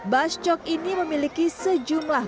bascok ini memiliki sejumlah